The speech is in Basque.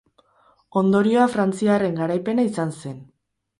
Ondorioa frantziarren garaipena izan zen.